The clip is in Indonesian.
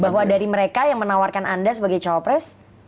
bahwa dari mereka yang menawarkan anda sebagai cowok pres